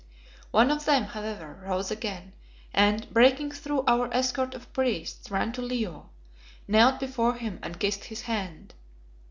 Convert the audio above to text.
One of them, however, rose again and, breaking through our escort of priests, ran to Leo, knelt before him and kissed his hand.